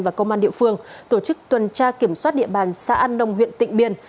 và công an địa phương tổ chức tuần tra kiểm soát địa bàn xã an đông huyện tỉnh biên